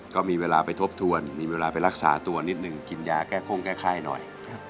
ก็มีเวลาไปทบทวนมีเวลาไปรักษาตัวนิดนึงกินยาแก้โค้งแก้ไข้หน่อย